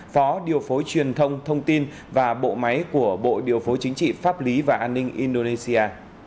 phó điều phối truyền thông thông tin và bộ máy của bộ điều phối chính trị pháp lý và an ninh indonesia